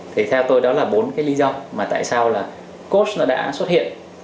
thì theo tôi đó là bốn cái lý do mà tại sao là cod nó đã xuất hiện